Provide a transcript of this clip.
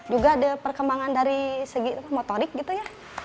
juga ada perkembangan dari segi motorik gitu ya